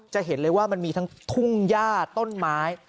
จะเห็นเลยว่ามันมีทั้งทุ่งย่าต้นไม้